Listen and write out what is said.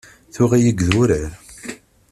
Tuɣ-iyi deg idurar.